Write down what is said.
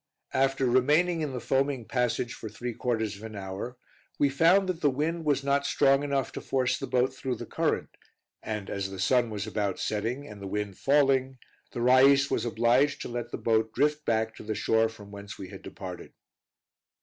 After remaining in the foaming passage for three quarters of an hour, we found that the wind was not strong enough to force the boat through the current, and as the sun was about setting and the wind falling, the Rais was obliged to let the boat drift back to the shore from whence we had departed.